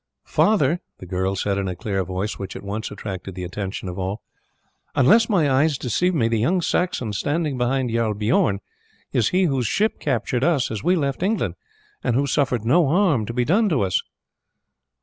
"Father," the girl said in a clear voice, which at once attracted the attention of all, "unless my eyes deceive me the young Saxon standing behind Jarl Bijorn is he whose ship captured us as we left England, and who suffered no harm to be done to us."